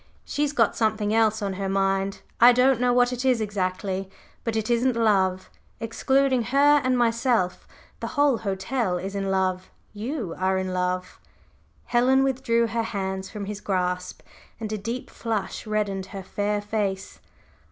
She's got something else on her mind I don't know what it is exactly, but it isn't love. Excluding her and myself, the whole hotel is in love you are in love!" Helen withdrew her hands from his grasp and a deep flush reddened her fair face.